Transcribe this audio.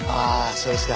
そうですか。